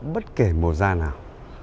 bất kể mùa ra nào